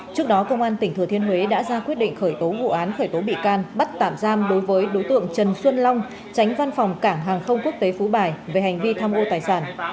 trước đó công an tỉnh thừa thiên huế đã ra quyết định khởi tố vụ án khởi tố bị can bắt tạm giam đối với đối tượng trần xuân long tránh văn phòng cảng hàng không quốc tế phú bài về hành vi tham ô tài sản